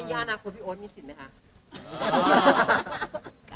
ย่าอนาคตพี่โอ๊ตมีสิทธิ์ไหมคะ